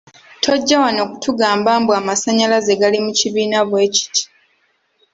Tojja wano kutugamba mbu amasannyalaze gali mu kibiina bwekiti.